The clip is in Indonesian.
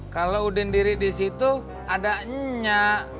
kalau udin diri disitu ada nya